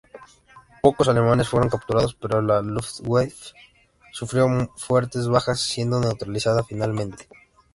Pocos alemanes fueron capturados, pero la Luftwaffe sufrió fuertes bajas, siendo neutralizada finalmente.